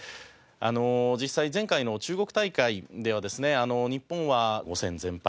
実際前回の中国大会ではですね日本は５戦全敗。